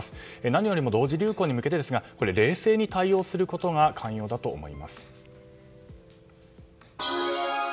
何よりも同時流行に向けてですが冷静に対応することが肝要だと思います。